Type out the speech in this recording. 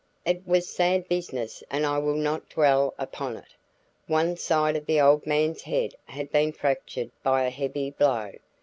It was sad business and I will not dwell upon it. One side of the old man's head had been fractured by a heavy blow.